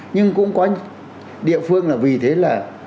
nhưng cũng có địa phương là vì thế là